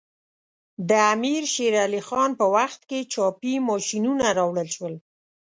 د امیر شیر علی خان په وخت کې چاپي ماشینونه راوړل شول.